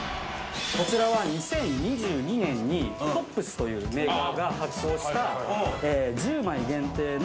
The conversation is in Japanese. こちらは２０２２年にＴｏｐｐｓというメーカーが発行した１０枚限定の。